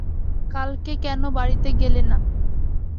কালকে কেনো বাড়িতে গেলে না?